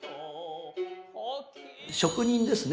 職人ですね